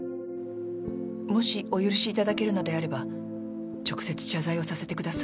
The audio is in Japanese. もしお許しいただけるのであれば直接謝罪をさせてください。